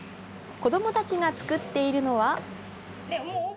子どもたちが作っているのは。